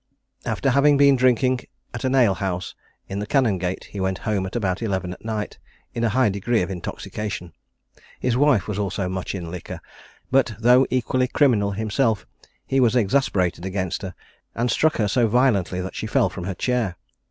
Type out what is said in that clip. After having been drinking at an alehouse in the Canongate, he went home at about eleven at night, in a high degree of intoxication. His wife was also much in liquor; but, though equally criminal himself, he was exasperated against her, and struck her so violently that she fell from her chair.